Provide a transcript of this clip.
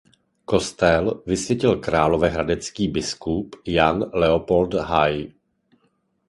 Kostel vysvětil královéhradecký biskup Jan Leopold Hay.